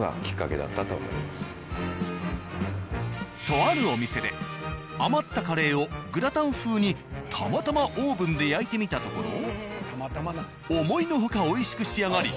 とあるお店で余ったカレーをグラタン風にたまたまオーブンで焼いてみたところ思いの外美味しく仕上がり